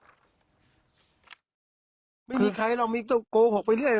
คือไม่มีใครเรามีโกหกไปเรื่อย